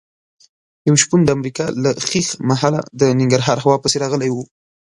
یو شپون د امریکا له ښیښ محله د ننګرهار هوا پسې راغلی و.